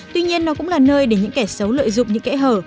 tuy nhiên nó cũng là nơi để những kẻ xấu lợi dụng những kẽ hở